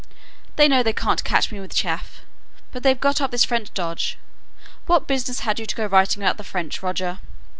They know they can't catch me with chaff, but they've got up this French dodge. What business had you to go writing about the French, Roger?